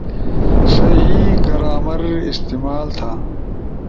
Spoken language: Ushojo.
صحیح گرامر استعمال تھا